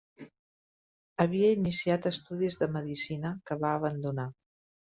Havia iniciat estudis de medicina, que va abandonar.